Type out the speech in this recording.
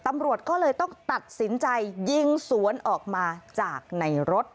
ตำรวจก็เลยต้องตัดสินใจยิงสวนออกมาจากในรถ